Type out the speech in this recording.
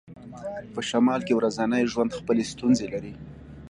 په شمال کې ورځنی ژوند خپلې ستونزې لري